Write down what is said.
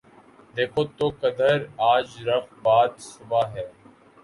دیکھو تو کدھر آج رخ باد صبا ہے